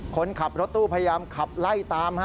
คนขับรถตู้พยายามขับไล่ตาม